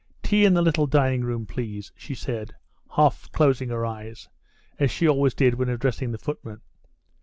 Tea in the little dining room, please," she said, half closing her eyes, as she always did when addressing the footman.